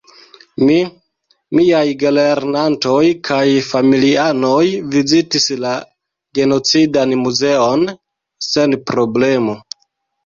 Mi, miaj gelernantoj kaj familianoj vizitis la "Genocidan Muzeon" sen problemo.